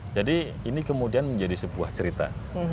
jadi ini kemudian menjadi sebuah cerita